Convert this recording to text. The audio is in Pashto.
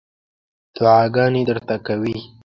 دعاګانې درته کوي.